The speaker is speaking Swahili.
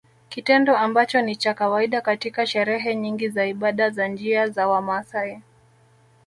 Kitendo ambacho ni cha kawaida katika sherehe nyingi za ibada za njia za Wamaasai